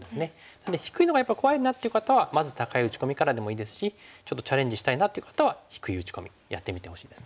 なので低いのがやっぱり怖いなっていう方はまず高い打ち込みからでもいいですしちょっとチャレンジしたいなっていう方は低い打ち込みやってみてほしいですね。